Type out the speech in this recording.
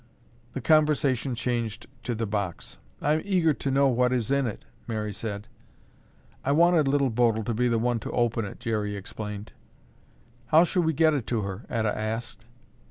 The conversation changed to the box. "I'm eager to know what is in it," Mary said. "I wanted Little Bodil to be the one to open it," Jerry explained. "How shall we get it to her?" Etta asked.